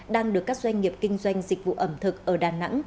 đang được các doanh nghiệp kinh doanh dịch vụ ẩm thực ở đà nẵng